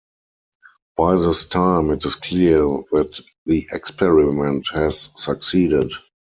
By this time, it is clear that the experiment has succeeded.